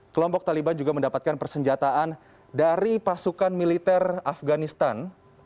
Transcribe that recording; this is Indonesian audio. kelompok taliban juga mendapatkan persenjataan dari pasukan militer afganistan